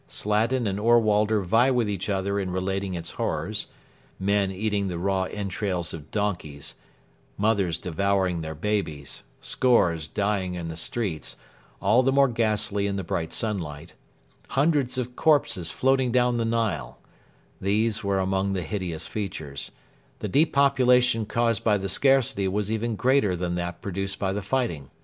Slatin and Ohrwalder vie with each other in relating its horrors men eating the raw entrails of donkeys; mothers devouring their babies; scores dying in the streets, all the more ghastly in the bright sunlight; hundreds of corpses floating down the Nile these are among the hideous features, The depopulation caused by the scarcity was even greater than that produced by the fighting.